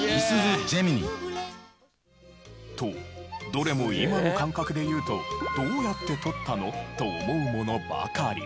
とどれも今の感覚でいうと「どうやって撮ったの？」と思うものばかり。